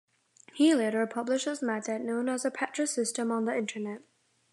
He later published his method, known as the Petrus system, on the Internet.